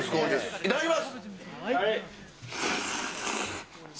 いただきます！